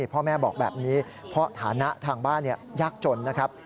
พ่อแม่บอกแบบนี้เพราะฐานะทางบ้านยากจนนะครับ